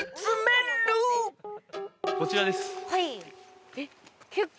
こちらです。